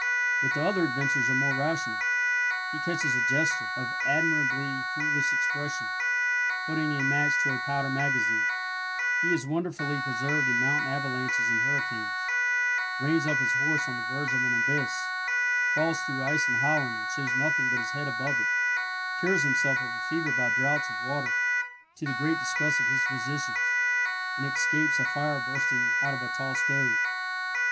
But the other adventures are more rational. He catches a jester—of admirably foolish expression—putting a match to a powder magazine; he is wonderfully preserved in mountain avalanches and hurricanes; reins up his horse on the verge of an abyss; falls through ice in Holland and shows nothing but his head above it; cures himself of a fever by draughts of water, to the great disgust of his physicians, and escapes a fire bursting out of a tall stove.